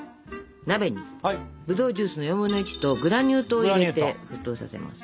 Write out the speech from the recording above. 鍋にぶどうジュースの４分の１とグラニュー糖を入れて沸騰させます。